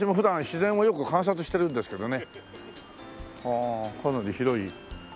あかなり広い。